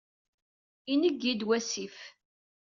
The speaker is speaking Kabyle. Ingi-d wasif.